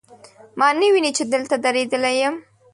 ما نه ویني، چې دلته دریدلی یم